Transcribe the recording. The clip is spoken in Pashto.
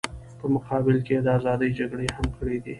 په مقابل کې یې د ازادۍ جګړې هم کړې دي.